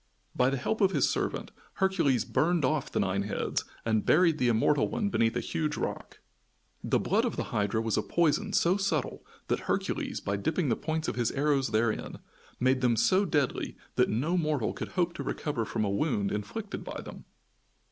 By the help of his servant, Hercules burned off the nine heads, and buried the immortal one beneath a huge rock. The blood of the Hydra was a poison so subtle that Hercules, by dipping the points of his arrows therein, made them so deadly that no mortal could hope to recover from a wound inflicted by them.